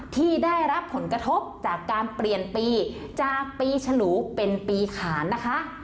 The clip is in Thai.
ที่ได้รับผลกระทบจากการเปลี่ยนปีจากปีฉลูเป็นปีขานนะคะ